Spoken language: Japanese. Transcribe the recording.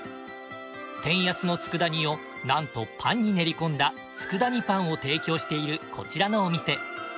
天安の佃煮をなんとパンに練りこんだ佃煮パンを提供しているこちらのお店。